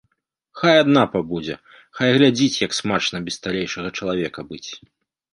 Хай адна пабудзе, хай глядзіць, як смачна без сталейшага чалавека быць.